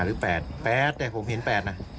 หรือ๘๘แต่ผมเห็น๘นะ